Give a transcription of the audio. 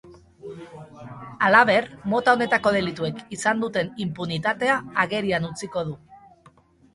Halaber, mota honetako delituek izan duten inpunitatea agerian utziko du.